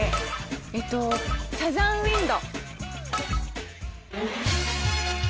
えっと『サザン・ウインド』。